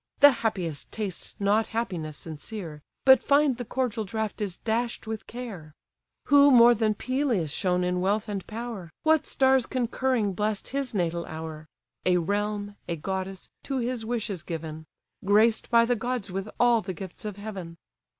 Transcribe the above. The happiest taste not happiness sincere; But find the cordial draught is dash'd with care. Who more than Peleus shone in wealth and power What stars concurring bless'd his natal hour! A realm, a goddess, to his wishes given; Graced by the gods with all the gifts of heaven.